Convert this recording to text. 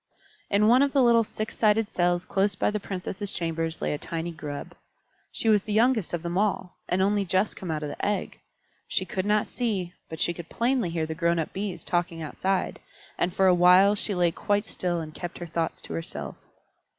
In one of the little six sided cells close by the Princesses' chambers lay a little tiny Grub. She was the youngest of them all, and only just come out of the egg. She could not see, but she could plainly hear the grown up Bees talking outside, and for a while she lay quite still and kept her thoughts to herself.